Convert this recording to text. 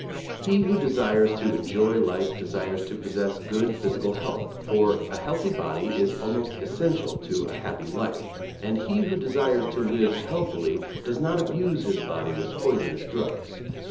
He who desires to enjoy life desires to possess good physical health, for a healthy body is almost essential to a happy life; and he who desires to live healthily does not abuse his body with poisonous drugs.